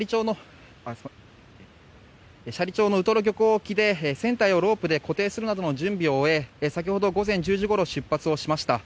斜里町のウトロ漁港沖で船体をロープで固定するなどの準備を終え先ほど午前１０時ごろ出発をしました。